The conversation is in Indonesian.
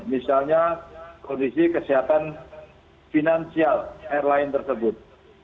misalnya kondisi kesehatan finansial airline tersebut